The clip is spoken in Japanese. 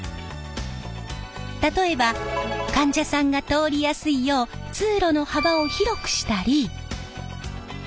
例えば患者さんが通りやすいよう通路の幅を広くしたり。